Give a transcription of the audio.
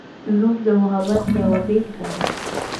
• لور د محبت یوه بېلګه ده.